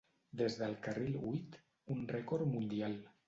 Des del carril huit, un rècord mundial.